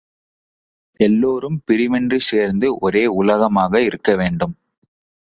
எல்லோரும் பிரிவின்றிச் சேர்ந்து ஒரே உலகமாக இருக்கவேண்டும்.